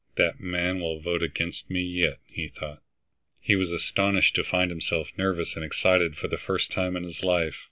"That man will vote against me yet," he thought. He was astonished to find himself nervous and excited for the first time in his life.